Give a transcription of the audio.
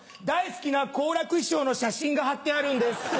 大好きな好楽師匠の写真が張ってあるんです。